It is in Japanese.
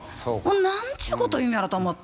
何ちゅうこと言うんやろと思って。